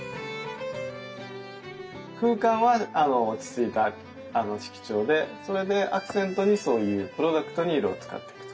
空間は落ち着いた色調でそれでアクセントにそういうプロダクトに色を使っていくと。